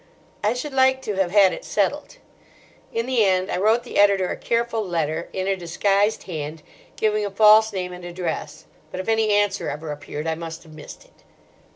I should like to have had it settled. In the end, I wrote the editor a careful letter, in a disguised hand, giving a false name and address. But if any answer ever appeared I must have missed it.